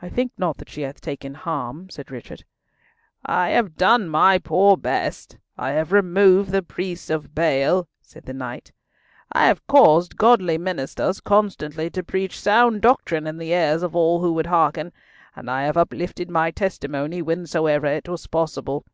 "I think not that she hath taken harm," said Richard. "I have done my poor best; I have removed the priest of Baal," said the knight; "I have caused godly ministers constantly to preach sound doctrine in the ears of all who would hearken; and I have uplifted my testimony whensoever it was possible.